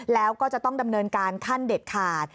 แล้วก็จะต้องดำเนินการขั้นเด็ดขาด